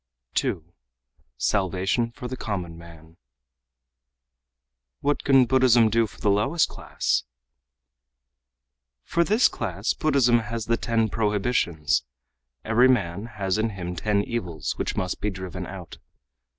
2. Salvation for the Common Man "What can Buddhism do for the lowest class?" "For this class Buddhism has the ten prohibitions. Every man has in him ten evils, which must be driven out.